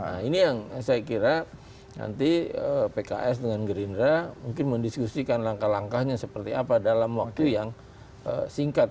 nah ini yang saya kira nanti pks dengan gerindra mungkin mendiskusikan langkah langkahnya seperti apa dalam waktu yang singkat